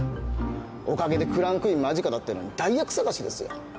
おかげでクランクイン間近だってのに代役探しですよ。